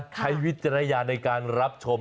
ใครวิทยาลัยในการรับชม